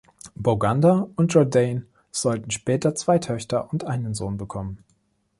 Boganda und Jourdain sollten später zwei Töchter und einen Sohn bekommen.